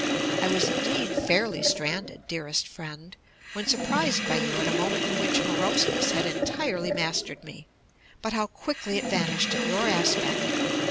I was indeed fairly stranded, dearest friend, when surprised by you at a moment in which moroseness had entirely mastered me; but how quickly it vanished at your aspect!